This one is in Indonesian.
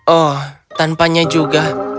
oh tanpanya juga